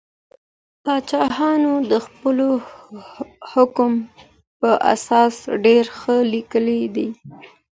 پاچاهانو د خپل حکم په اساس ډیر څه لیکلي دي.